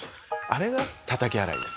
あれがたたき洗いです。